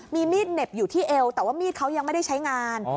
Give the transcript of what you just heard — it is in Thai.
มีมีดเหน็บอยู่ที่เอวแต่ว่ามีดเขายังไม่ได้ใช้งาน